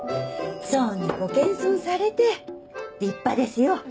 そんなご謙遜されて立派ですよ！